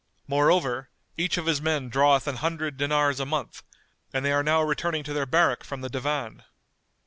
Moreover, each of his men draweth an hundred dinars a month; and they are now returning to their barrack from the Divan.